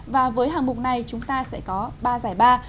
và với hạng mục này chúng ta sẽ có ba giải ba